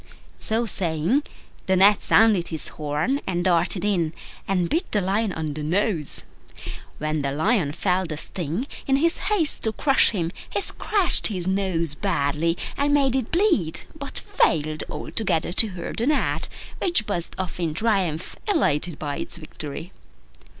So saying, the Gnat sounded his horn, and darted in and bit the Lion on the nose. When the Lion felt the sting, in his haste to crush him he scratched his nose badly, and made it bleed, but failed altogether to hurt the Gnat, which buzzed off in triumph, elated by its victory.